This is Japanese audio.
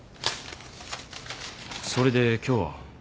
それで今日は？